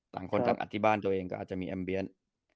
ต่างคนต่างอัดที่บ้านตัวเองก็อาจจะมีแอมเบียน